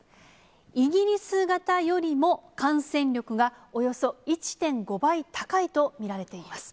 イギリス型よりも感染力がおよそ１．５倍、高いと見られています。